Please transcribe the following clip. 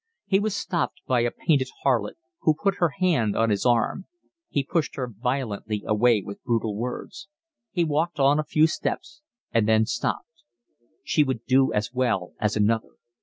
He was stopped by a painted harlot, who put her hand on his arm; he pushed her violently away with brutal words. He walked on a few steps and then stopped. She would do as well as another.